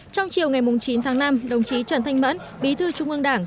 trong chiều ngày chín tháng năm đồng chí trần thanh mẫn bí thư trung ương đảng